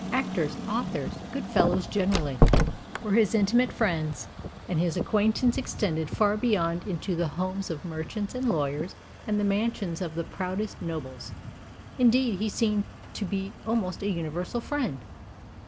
Actors, authors, good fellows generally, were his intimate friends, and his acquaintance extended far beyond into the homes of merchants and lawyers and the mansions of the proudest nobles. Indeed, he seemed to be almost a universal friend.